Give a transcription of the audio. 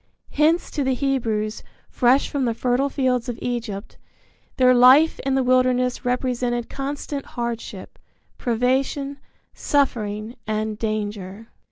Hence, to the Hebrews, fresh from the fertile fields of Egypt, their life in the wilderness represented constant hardship, privation, suffering and danger.